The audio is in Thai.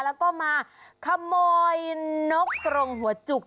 แล้วก็มาขโมยนกกรงหัวจุก